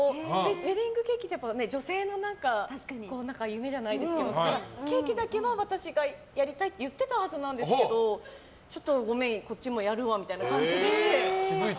ウェディングケーキって女性の夢じゃないですけどケーキだけは私がやりたいって言ってたはずなんですけどちょっと、ごめんこっちもやるわっていう感じで。